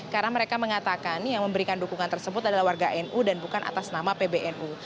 karena mereka mengatakan yang memberikan dukungan tersebut adalah warga nu dan bukan atas nama pbnu